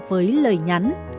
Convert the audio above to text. với lời nhắn